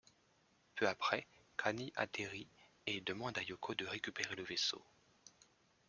Peu après, Khâny atterrit et demande à Yoko de récupérer le vaisseau.